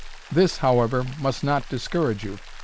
This, however, must not dis courage you.